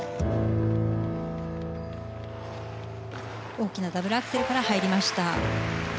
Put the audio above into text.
大きなダブルアクセルから入りました。